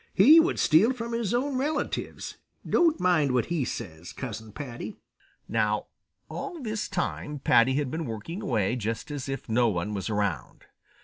He would steal from his own relatives. Don't mind what he says, Cousin Paddy." Now all this time Paddy had been working away just as if no one was around.